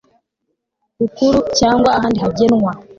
Bukuru cyangwa ahandi hagenwa